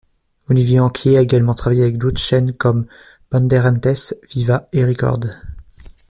Olivier Anquier a également travaillé avec d'autres chaînes comme Bandeirantes, Viva et Record.